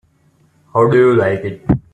How do you like it?